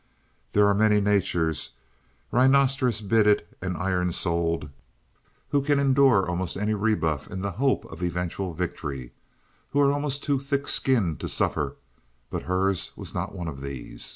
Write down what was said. There are many natures, rhinoceros bided and iron souled, who can endure almost any rebuff in the hope of eventual victory, who are almost too thick skinned to suffer, but hers was not one of these.